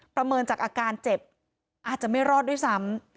ประเมินจากอาการเจ็บอาจจะไม่รอดด้วยซ้ำ